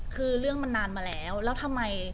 คือเรื่องมันนานมาแล้วแล้วทำไม